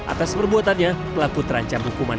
atas perbuatannya pelaku terancam hukuman